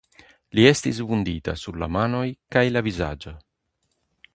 Li estis vundita sur la manoj kaj la vizaĝo.